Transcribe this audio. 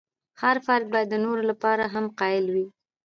هر فرد باید د نورو لپاره هم قایل وي.